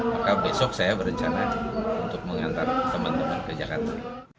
maka besok saya berencana untuk mengantar teman teman ke jakarta